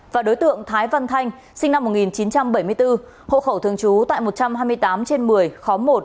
và đối tượng thái văn thanh sinh năm một nghìn chín trăm bảy mươi bốn hộ khẩu thường trú tại một trăm hai mươi tám trên một mươi khóm một